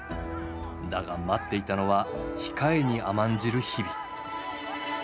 だが待っていたのは控えに甘んじる日々。